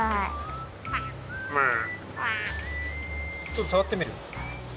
ちょっとさわってみる？